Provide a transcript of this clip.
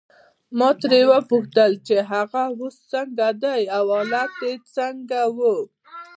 ما ترې وپوښتل چې هغه اوس څنګه دی او حالت یې څنګه وو.